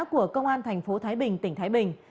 của công an thành phố thái bình tỉnh thái bình